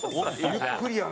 ゆっくりやな。